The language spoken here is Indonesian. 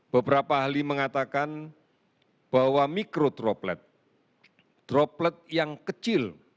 beberapa ahli mengatakan bahwa mikro droplet droplet yang kecil